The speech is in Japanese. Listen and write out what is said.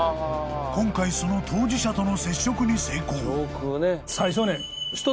［今回その当事者との接触に成功］